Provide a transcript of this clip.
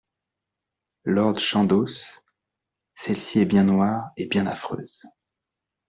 Lord Chandos Celle-ci est bien noire et bien affreuse !